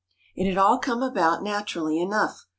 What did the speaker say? It had all come about naturally enough.